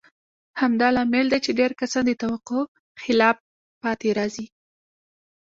همدا لامل دی چې ډېر کسان د توقع خلاف پاتې راځي.